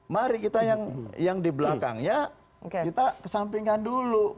mari kita yang di belakangnya kita kesampingkan dulu